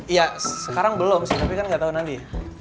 ya sekarang belum sih tapi kan gak tau nanti